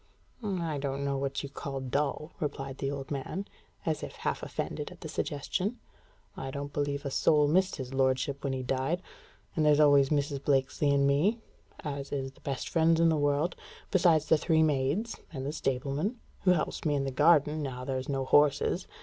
"I don't know what you call dull," replied the old man, as if half offended at the suggestion. "I don't believe a soul missed his lordship when he died; and there's always Mrs. Blakesley and me, as is the best friends in the world, besides the three maids and the stableman, who helps me in the garden, now there's no horses.